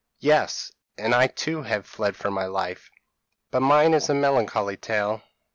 p> "'Yes; and I too have fled for my life. But mine is a melancholy tale.'